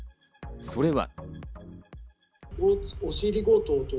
それは。